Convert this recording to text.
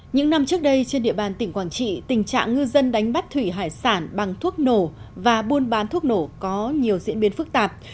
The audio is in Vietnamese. những năm trước đây trên địa bàn tỉnh quảng trị tình trạng ngư dân đánh bắt thủy hải sản bằng thuốc nổ và buôn bán thuốc nổ có nhiều diễn biến phức tạp